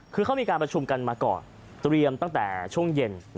คือเขามีการประชุมกันมาก่อนเตรียมตั้งแต่ช่วงเย็น